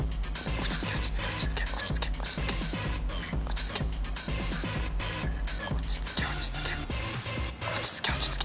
落ち着け落ち着け落ち着け落ち着け。